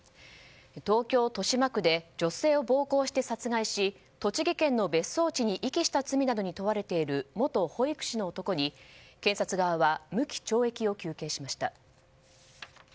東京・豊島区で女性を暴行して殺害し栃木県の別荘地に遺棄した罪などに問われている元保育士の男に検察側は無期懲役を求刑しました。